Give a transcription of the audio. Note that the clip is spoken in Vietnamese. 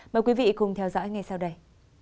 mời quý vị cùng theo dõi ngay sau đây